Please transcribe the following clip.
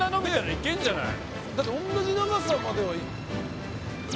いけんじゃない？